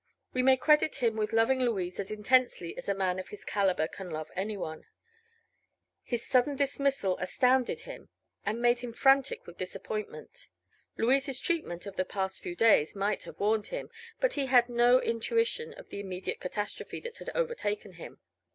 We may credit him with loving Louise as intensely as a man of his caliber can love anyone. His sudden dismissal astounded him and made him frantic with disappointment. Louise's treatment of the past few days might have warned him, but he had no intuition of the immediate catastrophe that had overtaken him.